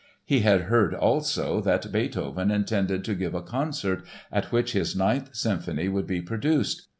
He had heard, also, that Beethoven intended to give a concert at which his Ninth Symphony would be produced.